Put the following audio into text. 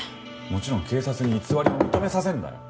もちろん警察に偽りを認めさせるんだよ！